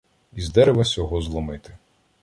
Із дерева сього зломити